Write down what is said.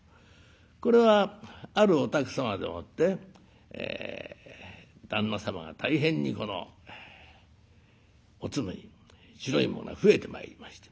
これはあるお宅様でもって旦那様が大変にこのおつむに白いものが増えてまいりました。